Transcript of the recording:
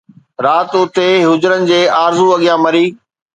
رات آئي، هجرن جي آرزو اڳيان مري